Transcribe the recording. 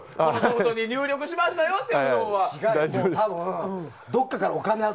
本当に入力しましたよってところを。